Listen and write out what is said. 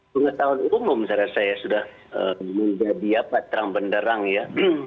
pengertian umum secara saya sudah menjadi apa terang penderang ya